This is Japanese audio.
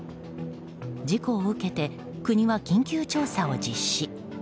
事故を受けて国は緊急調査を実施。